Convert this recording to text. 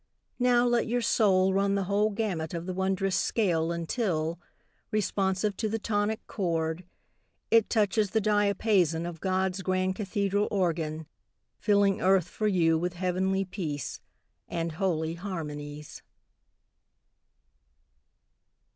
Now let your soul run the whole gamut of the wondrous scale Until, responsive to the tonic chord, It touches the diapason of God's grand cathedral organ, Filling earth for you with heavenly peace And holy harmonies.